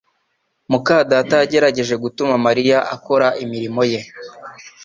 muka data yagerageje gutuma Mariya akora imirimo ye